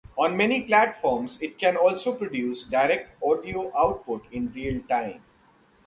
On many platforms, it can also produce direct audio output in real time.